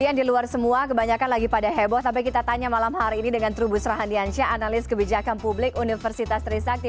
yang di luar semua kebanyakan lagi pada heboh tapi kita tanya malam hari ini dengan trubus rahandiansyah analis kebijakan publik universitas trisakti